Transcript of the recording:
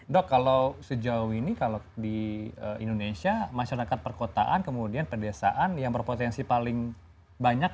dok kalau sejauh ini kalau di indonesia masyarakat perkotaan kemudian pedesaan yang berpotensi paling banyak